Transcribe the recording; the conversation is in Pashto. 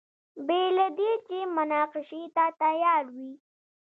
بې له دې چې مناقشې ته تیار وي.